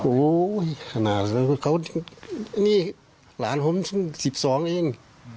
โอ้น้านี่หลานผมช่วงสิบสองเอง